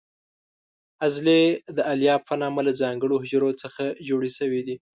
عضلې د الیاف په نامه له ځانګړو حجرو څخه جوړې شوې دي.